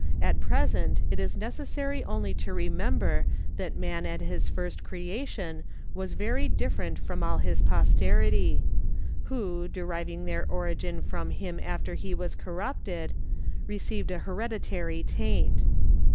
At present it is necessary only to remember that man at his first creation was very different from all his posterity; who, deriving their origin from him after he was corrupted, received a hereditary taint.